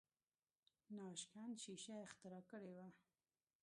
ناشکن ښیښه اختراع کړې وه.